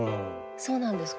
そうなんですか。